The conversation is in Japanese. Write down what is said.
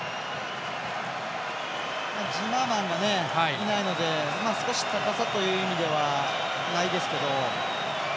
ジマーマンがいないので少し高さという意味ではないですけど。